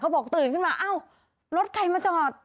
บอกตื่นขึ้นมาเอ้ารถใครมาจอด